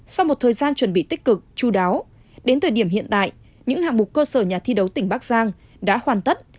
sau một thời gian chuẩn bị tích cực chú đáo đến thời điểm hiện tại những hạng mục cơ sở nhà thi đấu tỉnh bắc giang đã hoàn tất